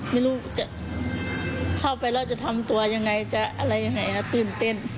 ไม่รู้จะเข้าไปแล้วจะทำตัวยังไงจะอะไรยังไงตื่นเต้น